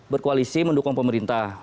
berkoalisi mendukung pemerintah